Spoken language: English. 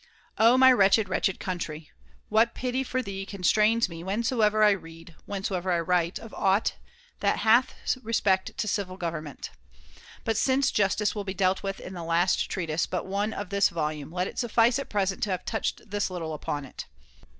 Oh, my wretched, wretched country ! What pity for thee constrains me whensoever I read, whensoever I write, of aught that hath respect to civil [loo^ government ! But since justice will be dealt with in the last treatise but one of this volume, let it suffice at present to have touched this little upon it.